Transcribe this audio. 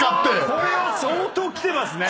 これは相当きてますね。